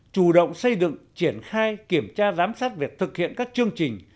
chủ động xây dựng triển khai kiểm tra giám sát việc thực hiện các chương trình